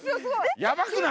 やばくない？